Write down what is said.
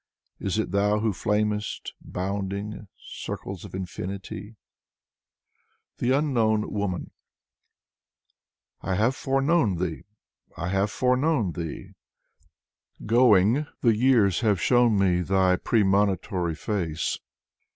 Is it thou who flamest, bounding Circles of infinity? 128 Alexander Blok THE UNKNOWN WOMAN I have foreknown Thee! Oh, I have foreknown Thee. Going, The years have shown me Thy premonitory face.